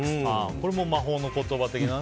これも魔法な言葉的な。